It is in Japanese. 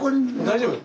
大丈夫？